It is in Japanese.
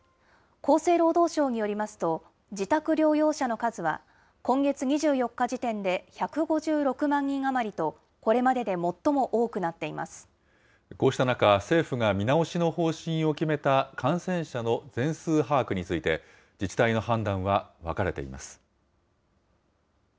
厚生労働省によりますと、自宅療養者の数は、今月２４日時点で１５６万人余りと、これまでで最もこうした中、政府が見直しの方針を決めた感染者の全数把握について、自治体の判断は分かれています。